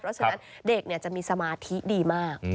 เพราะฉะนั้นเด็กจะมีสมาธิดีมาก